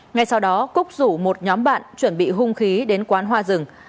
ngay sau đó cúc rủ một nhóm bạn chuẩn bị hung khí đến quán hoa rừng